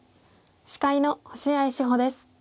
司会の星合志保です。